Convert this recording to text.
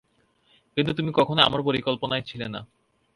কিন্তু তুমি কখনোই আমার পরিকল্পনায় ছিলে না।